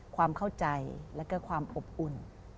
ความเข้าใจและความอบอุ่น